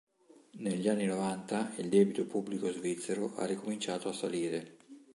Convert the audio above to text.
Negli anni novanta il debito pubblico svizzero ha ricominciato a salire.